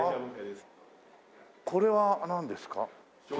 これはなんですか？